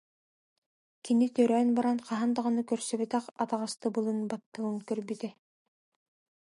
Кини төрөөн баран хаһан даҕаны көрсүбэтэх атаҕастабылын, батталын көрбүтэ